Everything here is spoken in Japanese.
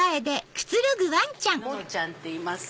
ののちゃんっていいます。